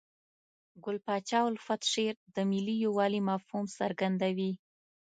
ګل پاچا الفت شعر د ملي یووالي مفهوم څرګندوي.